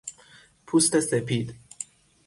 پوست سپید